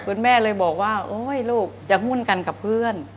คุณแม่เลยบอกว่าโอ๊ยลูกจะหุ้นกันกับเพื่อน